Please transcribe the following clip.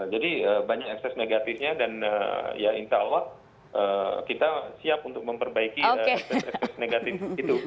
jadi banyak ekses negatifnya dan ya insya allah kita siap untuk memperbaiki ekses negatif itu